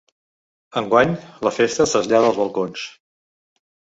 Enguany, la festa es trasllada als balcons.